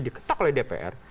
diketok oleh dpr